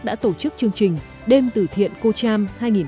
đã tổ chức chương trình đêm tử thiện cô tram hai nghìn một mươi tám